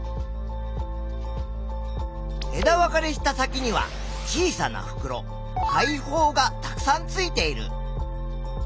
枝分かれした先には小さなふくろ「肺胞」がたくさんついている。